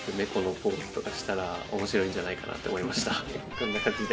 こんな感じで。